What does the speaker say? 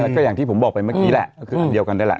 ก็อย่างที่ผมบอกไปเมื่อกี้แหละก็คืออันเดียวกันนี่แหละ